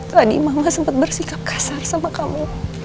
tadi mama sempat bersikap kasar sama kamu